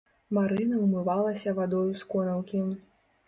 Марына ўмывалася вадою з конаўкі.